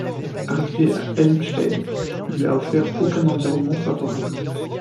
Arrivé à Helmstedt lui a offert aucun environnement favorable.